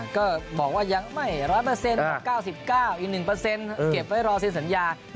ก็บอกว่ายังไม่๑๐๐กับ๙๙อีก๑เก็บไว้รอเซ็นสัญญา